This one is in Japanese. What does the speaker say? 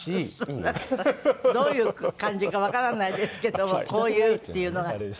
どういう感じかわからないですけども「こういう」っていうのが。